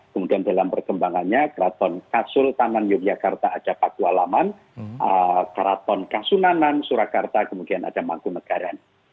kemudian dalam perkembangannya keraton kasultanan yogyakarta ada pakualaman keraton kasunanan surakarta kemudian ada mangkunegaran